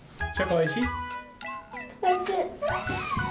おいしい！